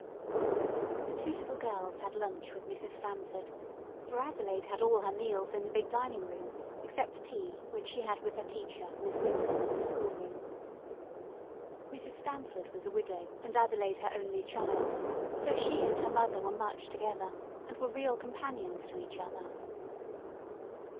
The two little girls had lunch with Mrs. Stamford, for Adelaide had all her meals in the big dining room, except tea, which she had with her teacher, Miss Winton, in the schoolroom. Mrs. Stamford was a widow and Adelaide her only child, so she and her mother were much together and were real companions to each other.